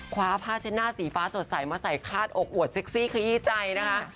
คว้าผ้าเช็ดหน้าสีฟ้าสดใสมาใส่คาดอกอวดเซ็กซี่ขยี้ใจนะคะ